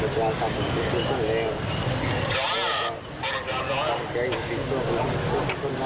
จุดฝังศพสมเนติศาสตร์จังหวัดนครศรีธรรมราช